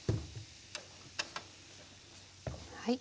はい。